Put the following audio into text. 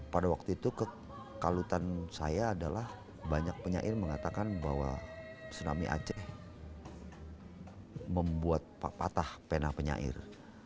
pada waktu itu kekalutan saya adalah banyak penyair mengatakan bahwa tsunami aceh membuat patah pena penyair